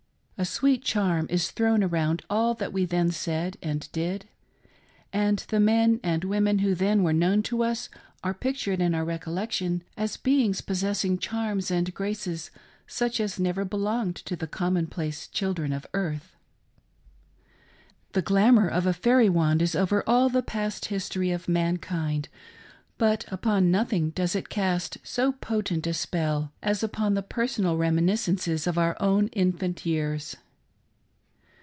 A sweet charm is thrown around all that we then said and did ; and the men and women who then were known to us are pictured in our recollection as beings possessing charms and graces such as never belonged to the common place children of earth. The glamour of a fairy wand is over all the past history of mankind ; but upon nothing does it cast so potent a spell as upon the personal reminiscences of our own infant years.